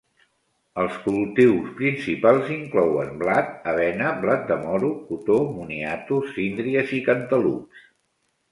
Els cultius principals inclouen blat, avena, blat de moro, cotó, moniatos, síndries i cantalups.